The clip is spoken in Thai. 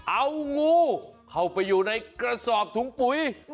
เอางูเข้าไปอยู่ในกระสอบถุงปุ๋ย